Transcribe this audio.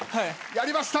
やりました。